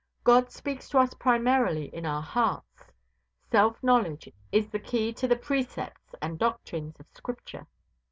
God speaks to us primarily in our hearts. Self knowledge is the key to the precepts and doctrines of Scripture.